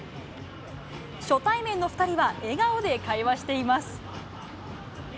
初対面の２人は、笑顔で会話しています。